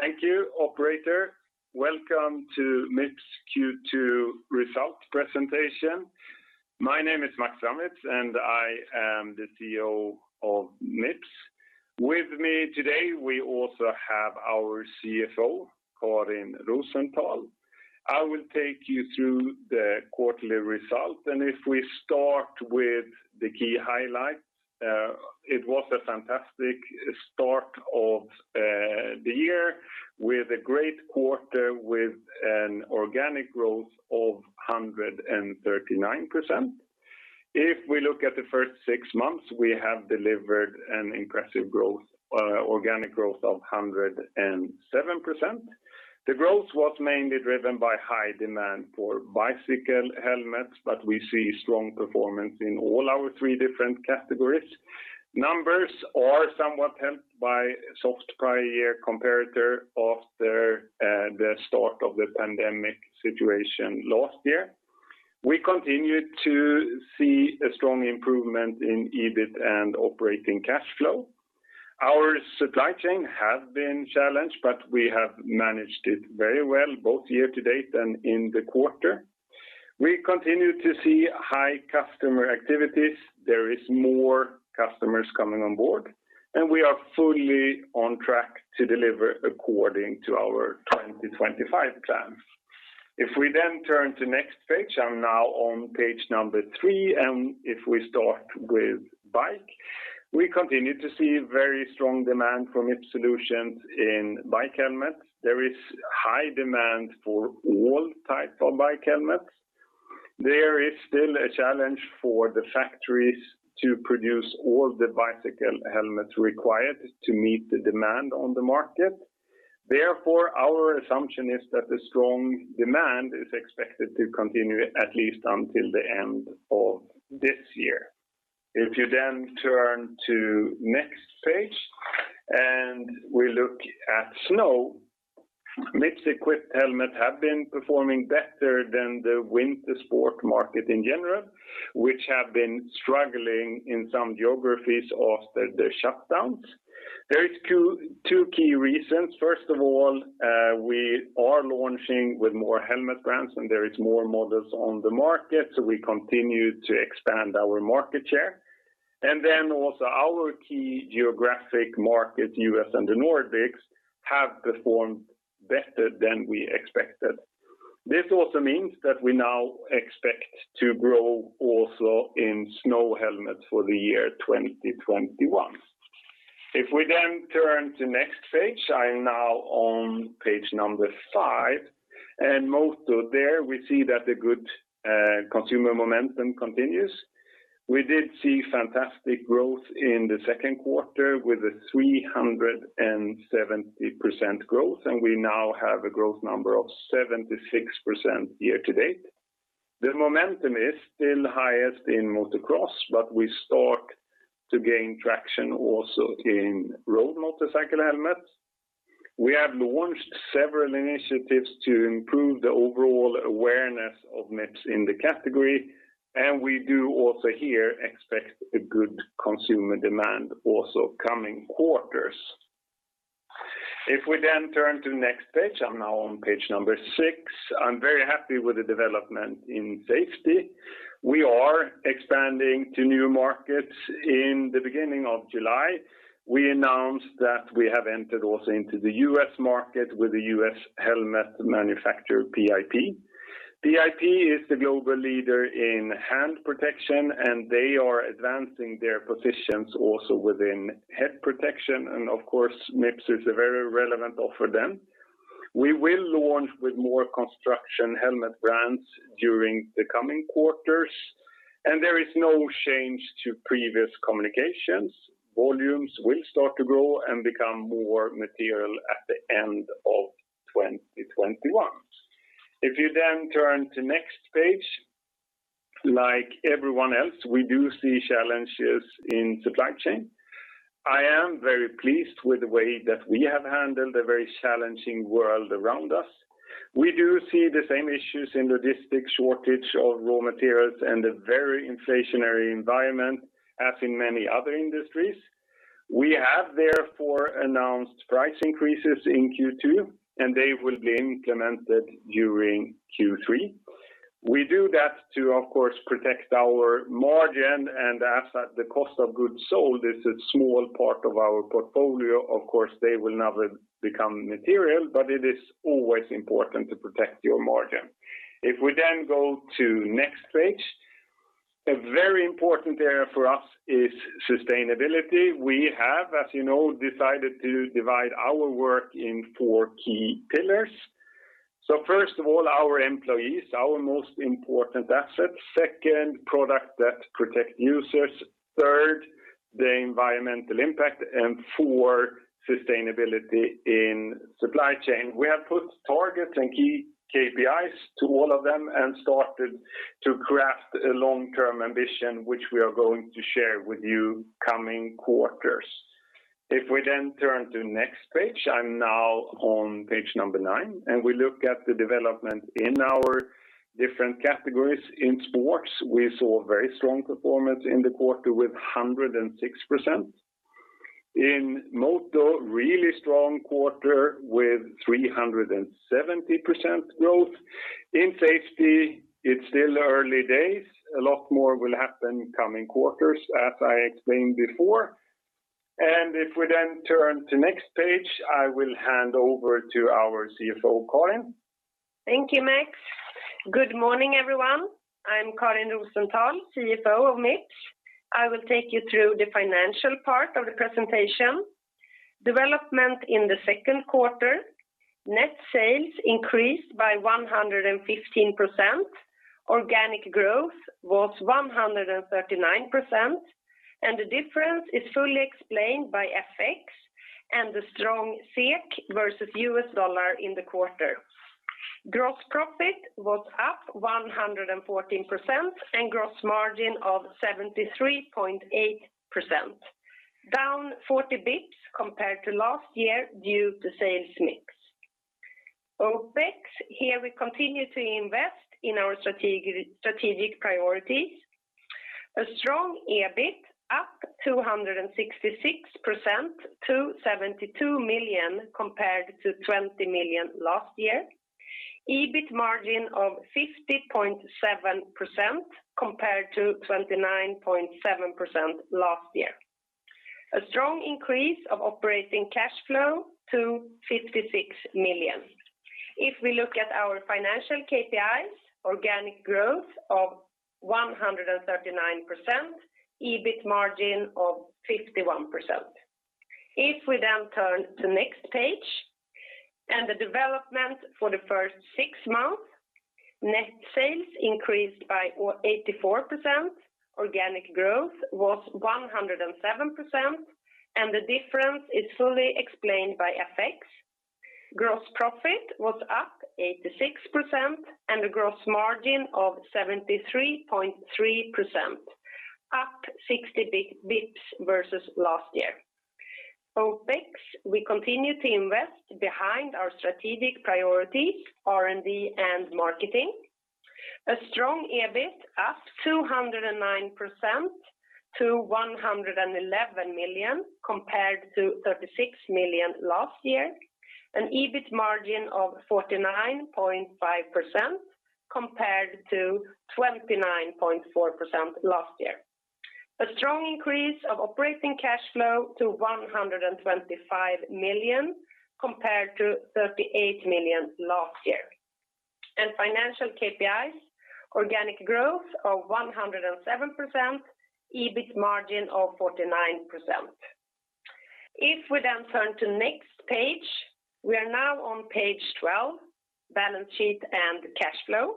Thank you, operator. Welcome to Mips Q2 result presentation. My name is Max Strandwitz, and I am the CEO of Mips. With me today, we also have our CFO, Karin Rosenthal. I will take you through the quarterly results, and if we start with the key highlights. It was a fantastic start of the year with a great quarter with an organic growth of 139%. If we look at the first six months, we have delivered an impressive organic growth of 107%. The growth was mainly driven by high demand for bicycle helmets, but we see strong performance in all our three different categories. Numbers are somewhat helped by soft prior year comparator after the start of the pandemic situation last year. We continued to see a strong improvement in EBIT and operating cash flow. Our supply chain has been challenged, but we have managed it very well, both year to date and in the quarter. We continue to see high customer activities. There is more customers coming on board, and we are fully on track to deliver according to our 2025 plans. If we then turn to next page, I'm now on page number three, and if we start with bike. We continue to see very strong demand from Mips solutions in bike helmets. There is high demand for all types of bike helmets. There is still a challenge for the factories to produce all the bicycle helmets required to meet the demand on the market. Therefore, our assumption is that the strong demand is expected to continue at least until the end of this year. If you then turn to next page and we look at snow. Mips-equipped helmets have been performing better than the winter sport market in general, which have been struggling in some geographies after the shutdowns. There is two key reasons. First of all, we are launching with more helmet brands and there is more models on the market, so we continue to expand our market share. Then also our key geographic markets, U.S. and the Nordics, have performed better than we expected. This also means that we now expect to grow also in snow helmets for the year 2021. If we then turn to next page, I'm now on page number five. Moto there we see that the good consumer momentum continues. We did see fantastic growth in the Q2 with a 370% growth. We now have a growth number of 76% year to date. The momentum is still highest in motocross, we start to gain traction also in road motorcycle helmets. We have launched several initiatives to improve the overall awareness of Mips in the category, we do also here expect a good consumer demand also coming quarters. If we turn to next page, I'm now on page number six. I'm very happy with the development in safety. We are expanding to new markets. In the beginning of July, we announced that we have entered also into the U.S. market with the U.S. helmet manufacturer, PIP. PIP is the global leader in hand protection, they are advancing their positions also within head protection. Of course, Mips is a very relevant offer then. We will launch with more construction helmet brands during the coming quarters, there is no change to previous communications. Volumes will start to grow and become more material at the end of 2021. If you then turn to next page. Like everyone else, we do see challenges in supply chain. I am very pleased with the way that we have handled a very challenging world around us. We do see the same issues in logistics, shortage of raw materials, and a very inflationary environment as in many other industries. We have therefore announced price increases in Q2, and they will be implemented during Q3. We do that to, of course, protect our margin and as the cost of goods sold is a small part of our portfolio. Of course, they will never become material, but it is always important to protect your margin. If we then go to next page. A very important area for us is sustainability. We have, as you know, decided to divide our work in four key pillars. First of all, our employees, our most important asset. Second, product that protect users. Third, the environmental impact. Four, sustainability in supply chain. We have put targets and key KPIs to all of them and started to craft a long-term ambition, which we are going to share with you coming quarters. We then turn to next page, I'm now on page number nine, and we look at the development in our different categories in sports, we saw very strong performance in the quarter with 106%. In moto, really strong quarter with 370% growth. In safety, it's still early days. A lot more will happen in coming quarters as I explained before. We then turn to next page, I will hand over to our CFO, Karin. Thank you, Max. Good morning, everyone. I'm Karin Rosenthal, CFO of Mips. I will take you through the financial part of the presentation. Development in the Q2, net sales increased by 115%. Organic growth was 139%. The difference is fully explained by FX and the strong SEK versus US dollar in the quarter. Gross profit was up 114%. Gross margin of 73.8%, down 40 basis points compared to last year due to sales mix. OPEX, here we continue to invest in our strategic priorities. A strong EBIT, up 266% to $72 million compared to $20 million last year. EBIT margin of 50.7% compared to 29.7% last year. A strong increase of operating cash flow to $56 million. If we look at our financial KPIs, organic growth of 139%, EBIT margin of 51%. If we turn to next page and the development for the first six months, net sales increased by 84%. Organic growth was 107%, the difference is fully explained by FX. Gross profit was up 86%, and a gross margin of 73.3%, up 60 basis points versus last year. OPEX, we continue to invest behind our strategic priorities, R&D and marketing. A strong EBIT, up 209% to 111 million compared to 36 million last year. An EBIT margin of 49.5% compared to 29.4% last year. A strong increase of operating cash flow to 125 million compared to 38 million last year. Financial KPIs, organic growth of 107%, EBIT margin of 49%. If we turn to next page, we are now on page 12, balance sheet and cash flow.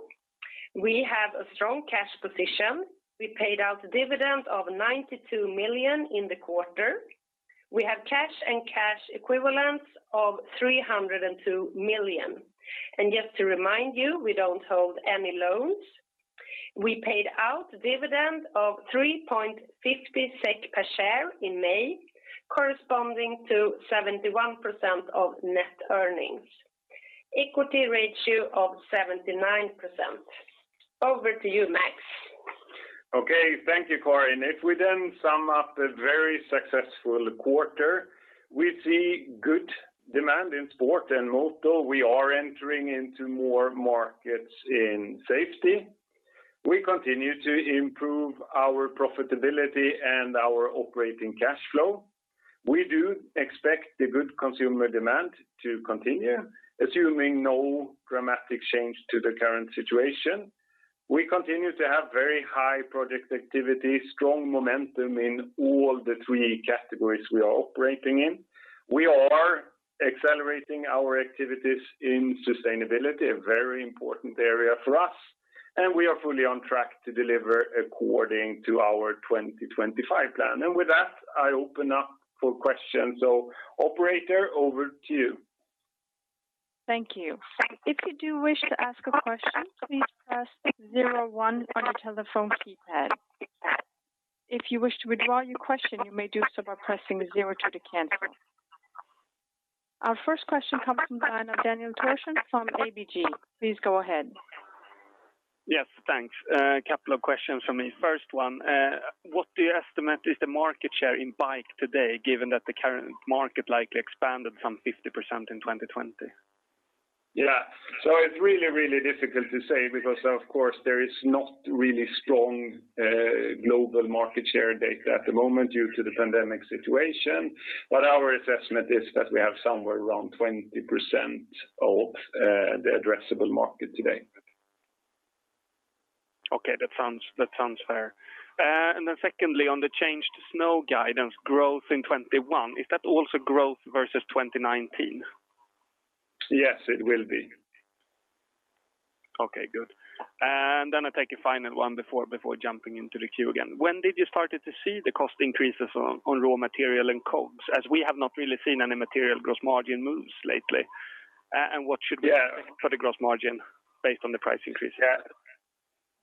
We have a strong cash position. We paid out a dividend of 92 million in the quarter. We have cash and cash equivalents of 302 million. Just to remind you, we don't hold any loans. We paid out dividend of 3.50 SEK per share in May, corresponding to 71% of net earnings. Equity ratio of 79%. Over to you, Max. Okay. Thank you, Karin. If we sum up a very successful quarter, we see good demand in sport and moto. We are entering into more markets in safety. We continue to improve our profitability and our operating cash flow. We do expect the good consumer demand to continue, assuming no dramatic change to the current situation. We continue to have very high project activity, strong momentum in all the three categories we are operating in. We are accelerating our activities in sustainability, a very important area for us, and we are fully on track to deliver according to our 2025 plan. With that, I open up for questions. Operator, over to you. Thank you. If you do wish to ask a question, please press 1 on your telephone keypad. If you wish to withdraw your question, you may do so by pressing 2 to cancel. Our first question comes from the line of Daniel Thorsson from ABG Sundal Collier. Please go ahead. Yes, thanks. A couple of questions from me. First one, what do you estimate is the market share in bike today, given that the current market likely expanded some 50% in 2020? Yeah. It's really difficult to say because, of course, there is not really strong global market share data at the moment due to the pandemic situation. Our assessment is that we have somewhere around 20% of the addressable market today. Okay. That sounds fair. Secondly, on the changed snow guidance growth in 2021, is that also growth versus 2019? Yes, it will be. Okay, good. I take a final one before jumping into the queue again. When did you start to see the cost increases on raw material and COGS? As we have not really seen any material gross margin moves lately. Yeah. Expect for the gross margin based on the price increase?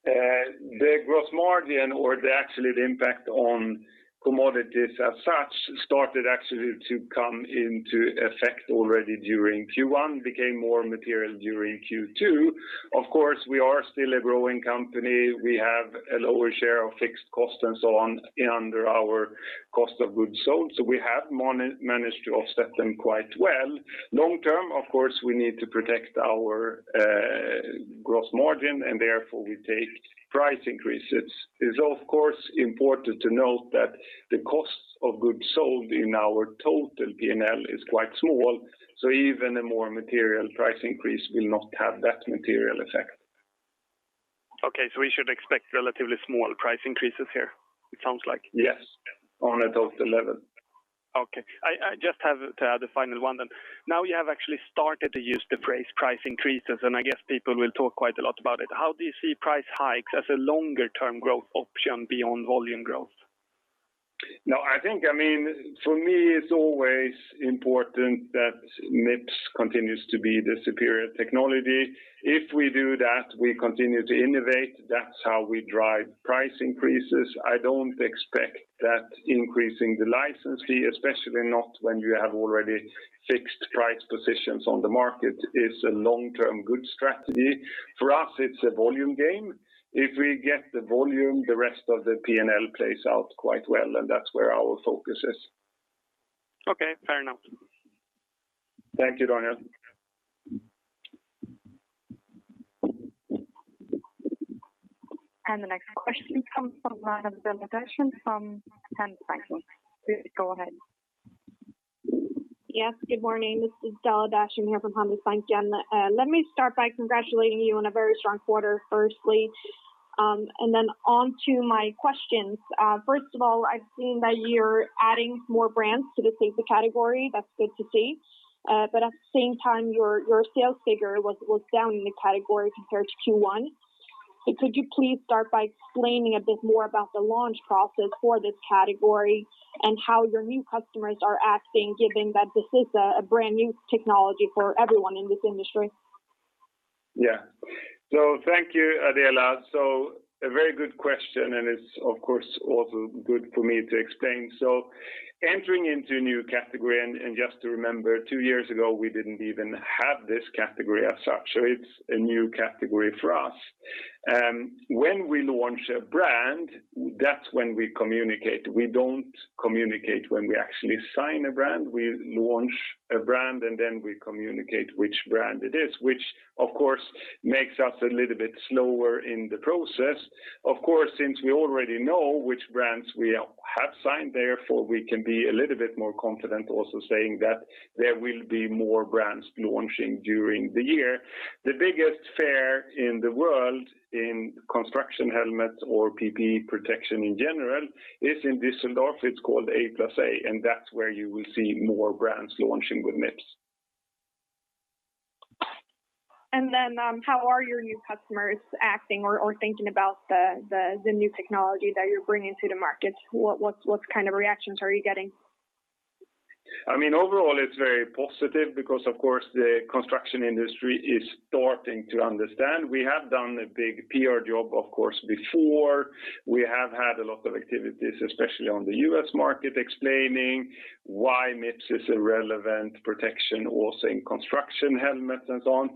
The gross margin or actually the impact on commodities as such, started actually to come into effect already during Q1, became more material during Q2. Of course, we are still a growing company. We have a lower share of fixed costs and so on under our cost of goods sold, so we have managed to offset them quite well. Long term, of course, we need to protect our gross margin, and therefore we take price increases. It's of course important to note that the cost of goods sold in our total P&L is quite small, so even a more material price increase will not have that material effect. Okay, we should expect relatively small price increases here, it sounds like? Yes. On adult level. Okay. I just have the final one then. Now you have actually started to use the price increases, I guess people will talk quite a lot about it. How do you see price hikes as a longer term growth option beyond volume growth? No, for me, it's always important that Mips continues to be the superior technology. If we do that, we continue to innovate. That's how we drive price increases. I don't expect that increasing the license fee, especially not when you have already fixed price positions on the market, is a long-term good strategy. For us, it's a volume game. If we get the volume, the rest of the P&L plays out quite well, and that's where our focus is. Okay, fair enough. Thank you, Daniel. The next question comes from Adela Dashian from Handelsbanken. Go ahead. Yes, good morning. This is Adela Dashian here from Handelsbanken. Let me start by congratulating you on a very strong quarter, firstly, and then on to my questions. First of all, I've seen that you're adding more brands to the safety category. That's good to see. At the same time, your sales figure was down in the category compared to Q1. Could you please start by explaining a bit more about the launch process for this category and how your new customers are acting, given that this is a brand new technology for everyone in this industry? Yeah. Thank you, Adela Dashian. A very good question, and it's of course, also good for me to explain. Entering into a new category, and just to remember, two years ago, we didn't even have this category as such, so it's a new category for us. When we launch a brand, that's when we communicate. We don't communicate when we actually sign a brand. We launch a brand, and then we communicate which brand it is. Which of course, makes us a little bit slower in the process. Of course, since we already know which brands we have signed, therefore, we can be a little bit more confident also saying that there will be more brands launching during the year. The biggest fair in the world in construction helmets or PPE protection in general is in Düsseldorf. It's called A+A, and that's where you will see more brands launching with Mips. How are your new customers acting or thinking about the new technology that you're bringing to the market? What kind of reactions are you getting? Overall it's very positive because, of course, the construction industry is starting to understand. We have done a big PR job, of course, before. We have had a lot of activities, especially on the U.S. market, explaining why Mips is a relevant protection also in construction helmets and so on.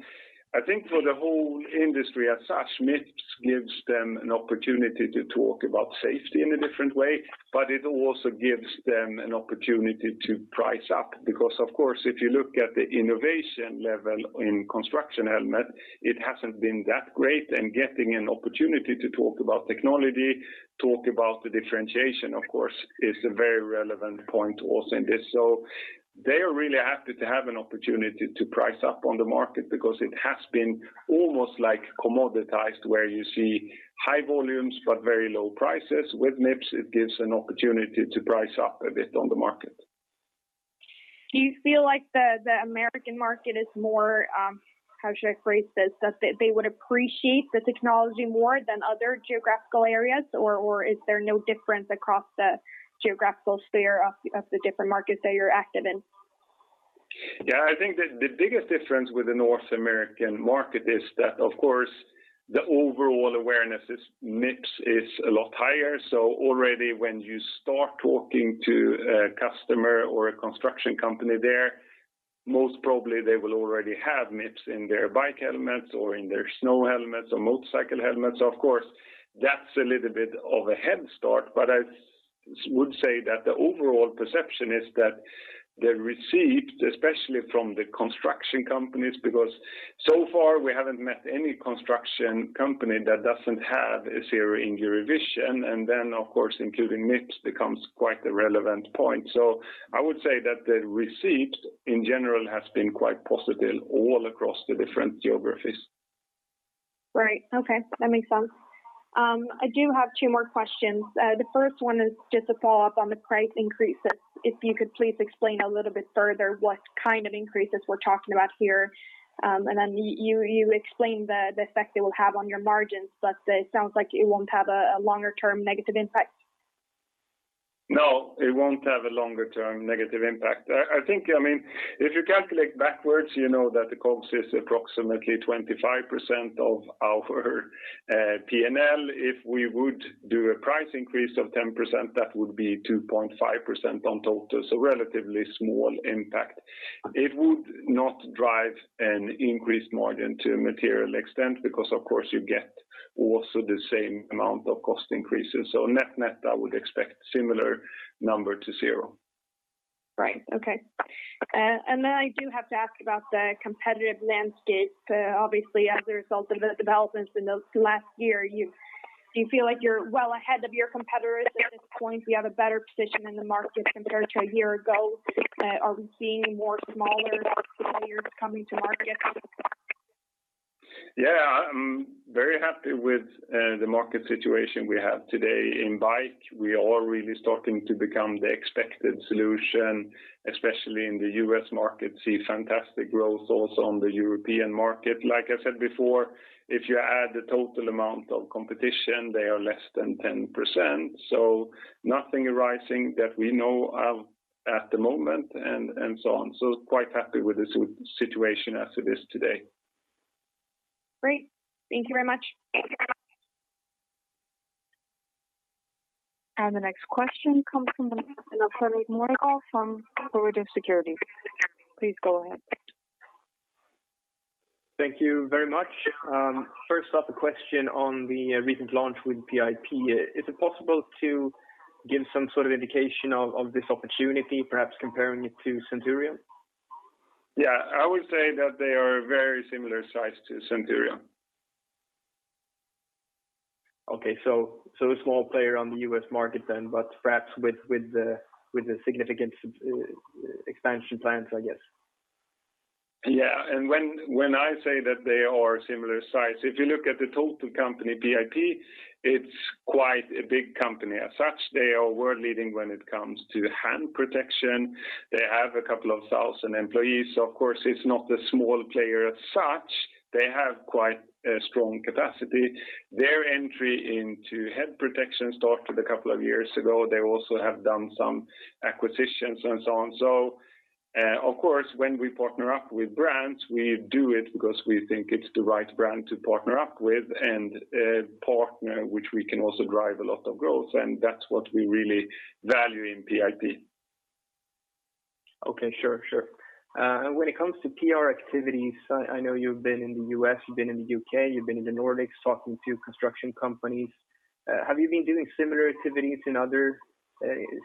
I think for the whole industry as such, Mips gives them an opportunity to talk about safety in a different way, but it also gives them an opportunity to price up. Because, of course, if you look at the innovation level in construction helmets, it hasn't been that great, and getting an opportunity to talk about technology, talk about the differentiation, of course, is a very relevant point also in this. They are really happy to have an opportunity to price up on the market because it has been almost commoditized, where you see high volumes but very low prices. With Mips, it gives an opportunity to price up a bit on the market. Do you feel like the American market is more, how should I phrase this, that they would appreciate the technology more than other geographical areas, or is there no difference across the geographical sphere of the different markets that you're active in? Yeah, I think that the biggest difference with the North American market is that, of course, the overall awareness of Mips is a lot higher. Already when you start talking to a customer or a construction company there, most probably they will already have Mips in their bike helmets or in their snow helmets or motorcycle helmets. That's a little bit of a head start, but I would say that the overall perception is that the receipt, especially from the construction companies, because so far we haven't met any construction company that doesn't have a zero injury vision, and then, of course, including Mips becomes quite a relevant point. I would say that the receipt in general has been quite positive all across the different geographies. Right. Okay. That makes sense. I do have two more questions. The first one is just a follow-up on the price increases. If you could please explain a little bit further what kind of increases we're talking about here. You explained the effect it will have on your margins, but it sounds like it won't have a longer-term negative impact. No, it won't have a longer-term negative impact. If you calculate backwards, you know that the COGS is approximately 25% of our P&L. If we would do a price increase of 10%, that would be 2.5% on total, so relatively small impact. It would not drive an increased margin to a material extent because of course you get also the same amount of cost increases. Net-net, I would expect similar number to zero. Right. Okay. I do have to ask about the competitive landscape. Obviously, as a result of the developments in the last year, do you feel like you're well ahead of your competitors at this point? Do you have a better position in the market compared to a year ago? Are we seeing more smaller competitors coming to market? Yeah, I'm very happy with the market situation we have today. In bike, we are really starting to become the expected solution, especially in the U.S. market. We see fantastic growth also on the European market. Like I said before, if you add the total amount of competition, they are less than 10%. Nothing arising that we know of at the moment, and so on. We are quite happy with the situation as it is today. Great. Thank you very much. The next question comes from the line of Henrik Mordahl from Nordea Securities. Please go ahead. Thank you very much. First off, a question on the recent launch with PIP. Is it possible to give some sort of indication of this opportunity, perhaps comparing it to Centurion? Yeah, I would say that they are a very similar size to Centurion. Okay, a small player on the U.S. market then, but perhaps with significant expansion plans, I guess. Yeah. When I say that they are a similar size, if you look at the total company, PIP, it's quite a big company as such. They are world-leading when it comes to hand protection. They have a couple of thousand employees. Of course it's not a small player as such. They have quite a strong capacity. Their entry into head protection started a couple of years ago. They also have done some acquisitions and so on. Of course, when we partner up with brands, we do it because we think it's the right brand to partner up with and a partner which we can also drive a lot of growth, and that's what we really value in PIP. Okay. Sure. When it comes to PR activities, I know you've been in the U.S., you've been in the U.K., you've been in the Nordics talking to construction companies. Have you been doing similar activities in other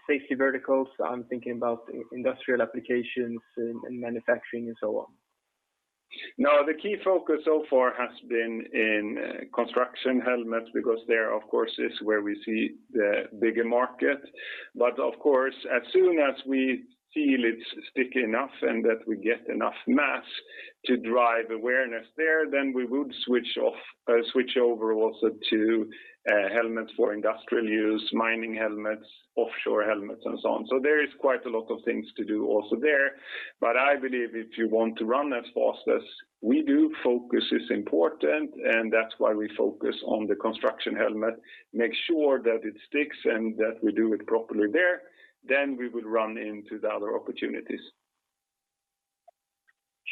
safety verticals? I'm thinking about industrial applications and manufacturing and so on. The key focus so far has been in construction helmets because there, of course, is where we see the bigger market. Of course, as soon as we feel it's sticky enough and that we get enough mass to drive awareness there, then we would switch over also to helmets for industrial use, mining helmets, offshore helmets and so on. There is quite a lot of things to do also there. I believe if you want to run as fast as we do, focus is important, and that's why we focus on the construction helmet, make sure that it sticks and that we do it properly there, then we will run into the other opportunities.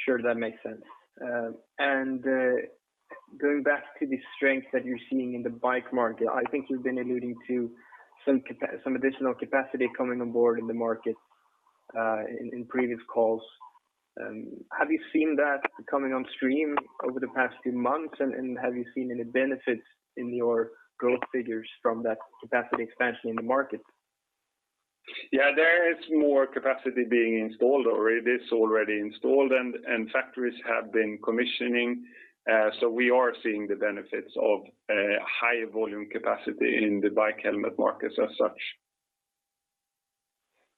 Sure, that makes sense. Going back to the strength that you're seeing in the bike market, I think you've been alluding to some additional capacity coming on board in the market, in previous calls. Have you seen that coming on stream over the past few months? Have you seen any benefits in your growth figures from that capacity expansion in the market? Yeah, there is more capacity being installed, or it is already installed, and factories have been commissioning. We are seeing the benefits of higher volume capacity in the bike helmet markets as such.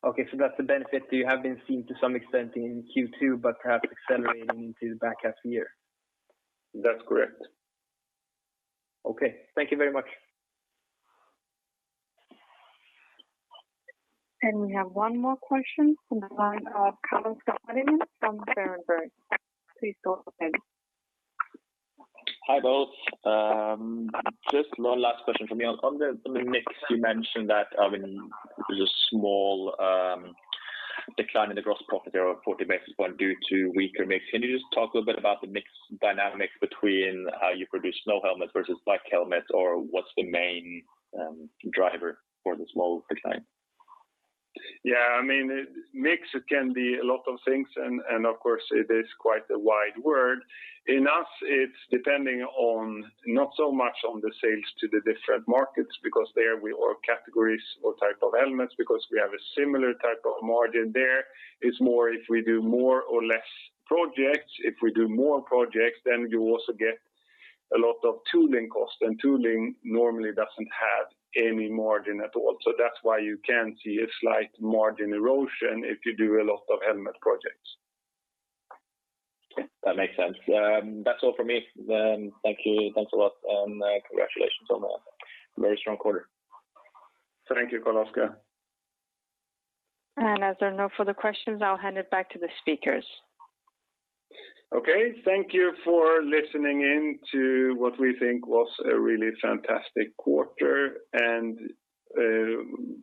Okay, that's a benefit that you have been seeing to some extent in Q2 but perhaps accelerating into the back half of the year. That's correct. Okay. Thank you very much. We have one more question from the line of Carl-Oscar Bredengen from Berenberg. Please go ahead. Hi, both. Just one last question from me. On the mix, you mentioned that there's a small decline in the gross profit there of 40 basis point due to weaker mix. Can you just talk a little bit about the mix dynamics between how you produce snow helmets versus bike helmets, or what's the main driver for the small decline? Yeah, mix can be a lot of things, and of course it is quite a wide word. In us, it's depending on not so much on the sales to the different markets because there we are categories or type of helmets because we have a similar type of margin there. It's more if we do more or less projects. If we do more projects, then you also get a lot of tooling cost, and tooling normally doesn't have any margin at all. That's why you can see a slight margin erosion if you do a lot of helmet projects. Okay, that makes sense. That's all from me then. Thank you. Thanks a lot and congratulations on a very strong quarter. Thank you, Carl-Oscar. As there are no further questions, I'll hand it back to the speakers. Okay. Thank you for listening in to what we think was a really fantastic quarter, and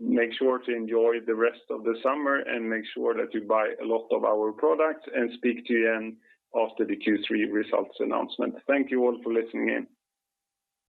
make sure to enjoy the rest of the summer and make sure that you buy a lot of our products, and speak to you again after the Q3 results announcement. Thank you all for listening in.